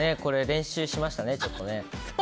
練習しましたね、ちょっと。